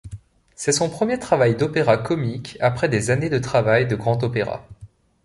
C'est son premier travail d'opéra comique après des années de travail de Grand opéra.